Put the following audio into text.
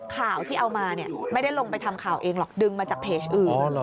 ข่าวที่เอามาไม่ได้ลงไปทำข่าวเองหรอกดึงมาจากเพจอื่น